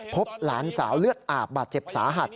พบหลานสาวเลือดอาบบาดเจ็บสาหัส